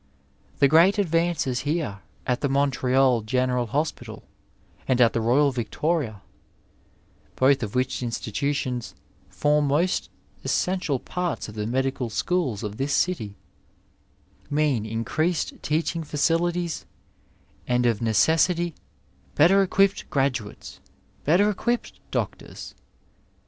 The great advances here, at the Montreal General Hospital, and at the Royal Victoria (both of which institutions form most 126 Digitized by Google TEACHING AND THINKING essential parts of the medical Bchools of this city) mean increased teaching facilities, and of necessity better equipped graduates, better equipped doctors